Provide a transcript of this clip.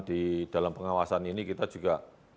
di dalam pengawasan ini kita juga